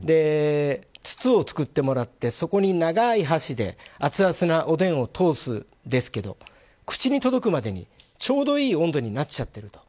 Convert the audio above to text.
筒を作ってもらってそこに長い箸で熱々なおでんを通すんですけど口に届くまでにちょうどいい温度になっちゃってると。